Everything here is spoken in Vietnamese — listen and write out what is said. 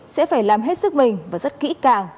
sẽ phải làm hết sức mình và rất kỹ càng